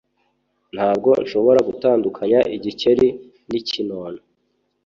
Ntabwo nshobora gutandukanya igikeri n'ikinono.